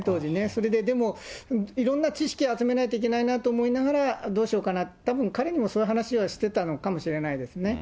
それで、でも、いろんな知識集めないといけないなと思いながら、どうしようかな、たぶん、彼にもそういう話をしていたのかもしれないですね。